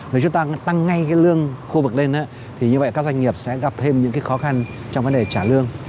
nếu chúng ta tăng ngay cái lương khu vực lên thì như vậy các doanh nghiệp sẽ gặp thêm những cái khó khăn trong vấn đề trả lương